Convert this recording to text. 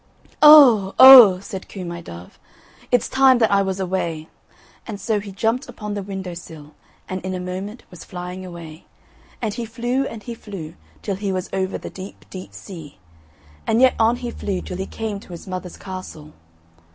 "Oh, oh!" said Coo my dove; "it's time that I was away," and so he jumped upon the window sill and in a moment was flying away. And he flew and he flew till he was over the deep, deep sea, and yet on he flew till he came to his mother's castle.